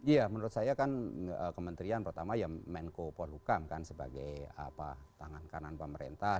ya menurut saya kan kementerian pertama ya menko polhukam kan sebagai tangan kanan pemerintah